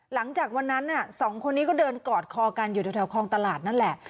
หลังจากวันนั้นสองคนนี้ก็เดินกอดคอกันอยู่แถวคลองตลาดนั่นแหละ